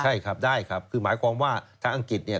ใช่ครับได้ครับคือหมายความว่าทางอังกฤษเนี่ย